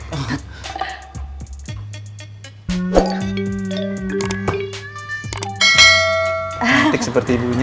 matik seperti ibunya